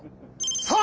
さあ